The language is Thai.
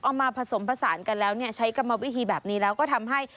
มาผสมผสานกันแล้วเนี่ยใช้กรรมวิธีแบบนี้แล้วก็ทำให้